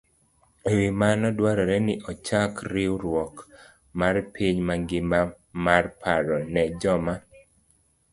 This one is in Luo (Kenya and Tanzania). E wi mano, dwarore ni ochak riwruok mar piny mangima mar paro ne joma